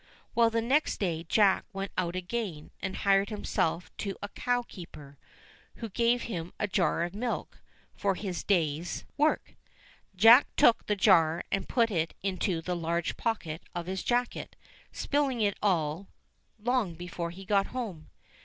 Well, the next day. Jack went out again and hired himself to a cowkeeper, who gave him a jar of milk for his day's 73 74 ENGLISH FAIRY TALES j work. Jack took the jar and put it into the large pocket of his jacket, spilling it all, long before he got home.